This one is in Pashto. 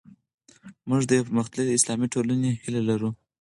موږ د یوې پرمختللې اسلامي ټولنې هیله لرو.